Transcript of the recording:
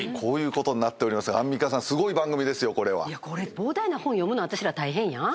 膨大な本読むの私ら大変やん。